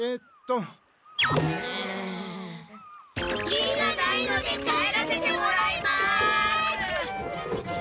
キリがないので帰らせてもらいます！